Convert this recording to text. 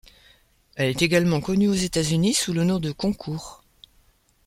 Elle est également connue aux États-Unis sous le nom de Concours.